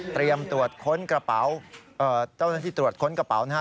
เตรียมตรวจค้นกระเป๋าต้นที่ตรวจค้นกระเป๋านะฮะ